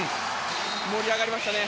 盛り上がりましたね。